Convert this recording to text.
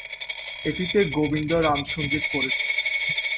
এটিতে গোবিন্দ রাম সংগীত করেছেন।